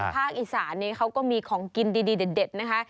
ภาคอีสานนี้เขาก็มีของกินดีเด็ดนะคะ